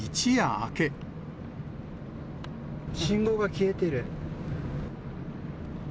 信号が消えてる。